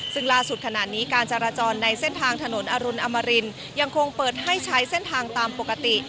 ซึ่งล่าสุดขณะนี้การจราจรในเส้นทางถนนอรุณอมรินยังคงเปิดให้ใช้เส้นทางตามปกติ